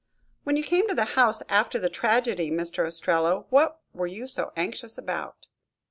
"When you came to the house, after the tragedy, Mr. Ostrello, what were you so anxious about?"